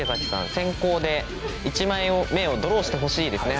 先攻で１枚目をドローしてほしいですね。